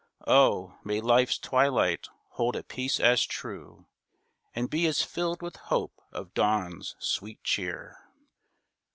Oh, may life's twilight hold a peace as true, And be as filled with hope of dawn's sweet cheer!